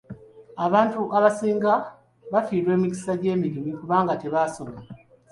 Abantu abasinga bafiirwa emikisa gy'emirimu kubanga tebaasoma.